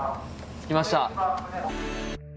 ・着きました。